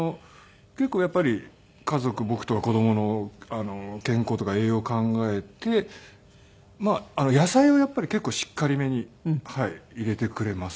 結構やっぱり家族僕とか子供の健康とか栄養を考えて野菜をやっぱり結構しっかりめにはい入れてくれます。